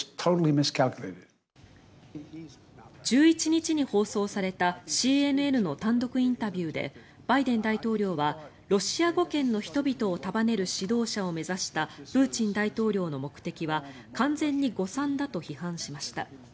１１日に放送されたＣＮＮの単独インタビューでバイデン大統領はロシア語圏の人々を束ねる指導者を目指したプーチン大統領の目的は完全に誤算だと批判しました。